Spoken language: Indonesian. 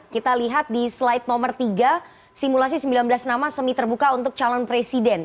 kita lihat di slide nomor tiga simulasi sembilan belas nama semi terbuka untuk calon presiden